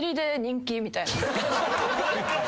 みたいな。